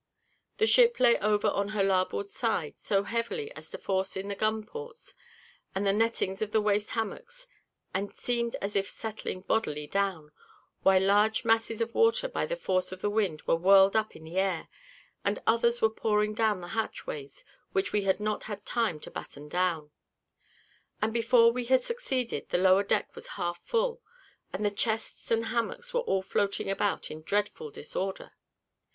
The ship lay over on her larboard side so heavily as to force in the gun ports, and the nettings of the waist hammocks, and seemed as if settling bodily down; while large masses of water, by the force of the wind, were whirled up into the air; and others were pouring down the hatchways, which we had not had time to batten down, and before we had succeeded, the lower deck was half full, and the chests and hammocks were all floating about in dreadful disorder.